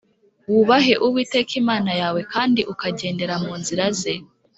Wubaheuwiteka Imana yawe kandi ukagendera mu nzira ze